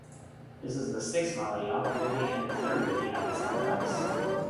This was the sixth Malayalam movie and the third movie having sound tracks.